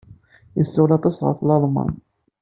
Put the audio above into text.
Yessawal aṭas ɣef Lalman.